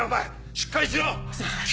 しっかりしろ始！